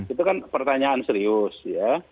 itu kan pertanyaan serius ya